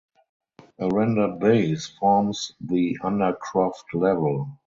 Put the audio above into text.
A rendered base forms the undercroft level.